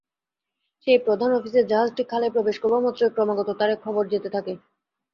সেই প্রধান আফিসে জাহাজটি খালে প্রবেশ করবামাত্রই ক্রমাগত তারে খবর যেতে থাকে।